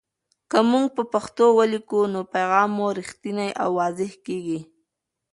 که موږ په پښتو ولیکو، نو پیغام مو رښتینی او واضح کېږي.